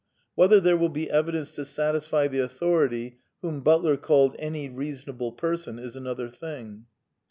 Whether there will be evidence to satisfy the authority whom Butler called " any reasonable person " is another thing.